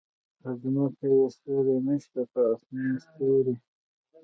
په ځمکه يې سیوری نشته په اسمان ستوری